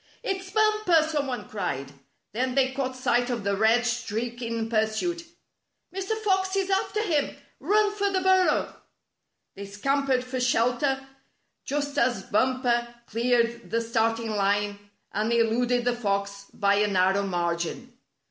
"It's Bumper!" some one cried. Then they caught sight of the red streak in pursuit. " Mr. Fox is after him! Run for the burrow! " They scampered for shelter just as Bumper A Test of Fleetness 43 cleared tbe starting line and eluded the fox by a narrow margin.